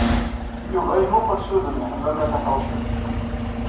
Yuba yemmuqqel s udem n Ḥemmama Taḥawcint.